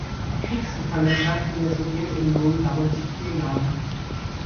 Die Kriegsgefangenschaft in der Sowjetunion dauerte vier Jahre.